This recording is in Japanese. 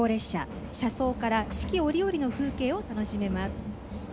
車窓から四季折々の風景を楽しめます。